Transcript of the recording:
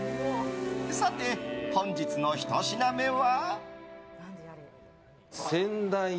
さて、本日のひと品目は。